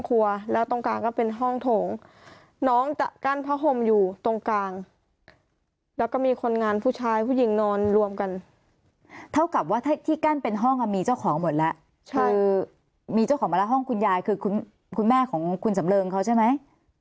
คือมีเจ้าของมาแล้วห้องคุณยายคือคุณแม่ของคุณสำเริงเขาใช่ไหม